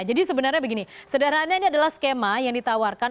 jadi sebenarnya begini sederhana ini adalah skema yang ditawarkan